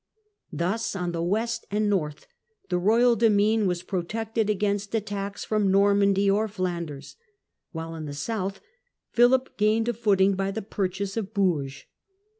Thus on the west and north the royal demesne was protected against attacks from Normandy or Flanders, while in the south Philip gained a footing by tlie purchase of Bourges.